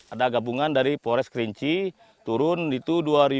ada gabungan dari pores kerinci turun itu dua ribu tujuh